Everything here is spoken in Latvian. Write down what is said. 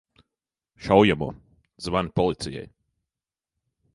Šaujamo! Zvani policijai!